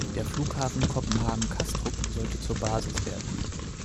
Der Flughafen Kopenhagen-Kastrup sollte zur Basis werden.